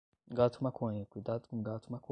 Gato maconha cuidado com o gato maconha